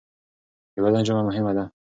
د بدن ژبه مهمه ده.